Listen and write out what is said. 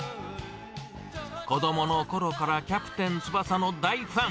子どものころからキャプテン翼の大ファン。